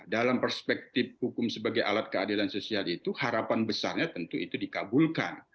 dalam perspektif hukum sebagai alat keadilan sosial itu harapan besarnya tentu itu dikabulkan